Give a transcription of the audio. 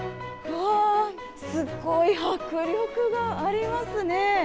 うわー、すごい迫力がありますね。